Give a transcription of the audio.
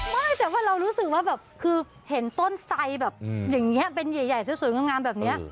ไม่แต่ว่าเรารู้สึกว่าแบบคือเห็นต้นไสแบบอย่างนี้เป็นใหญ่สวยงามแบบนี้